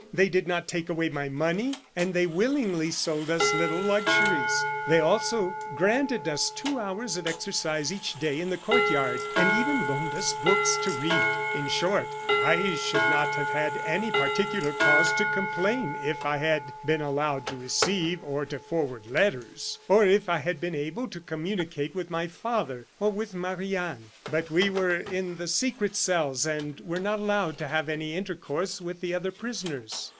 They did not take away my money; and they willingly sold us little luxuries; they also granted us two hours of exercise each day in the court yard, and even loaned us books to read. In short, I should not have had any particular cause to complain, if I had been allowed to receive or to forward letters, or if I had been able to communicate with my father or with Marie Anne. But we were in the secret cells, and were not allowed to have any intercourse with the other prisoners.